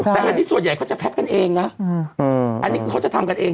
แต่อันนี้ส่วนใหญ่เขาจะแพ็คกันเองนะอันนี้คือเขาจะทำกันเอง